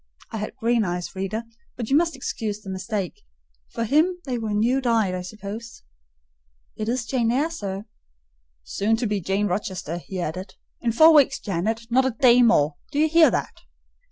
(I had green eyes, reader; but you must excuse the mistake: for him they were new dyed, I suppose.) "It is Jane Eyre, sir." "Soon to be Jane Rochester," he added: "in four weeks, Janet; not a day more. Do you hear that?"